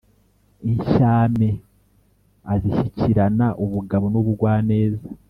inshyame azishyigikirana ubugabo n' ubugwaneza;